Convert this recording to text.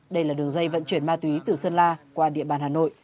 đây là đường dây vận chuyển ma túy từ sơn la qua địa bàn hà nội